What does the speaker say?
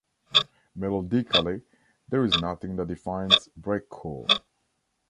Melodically, there is nothing that defines breakcore.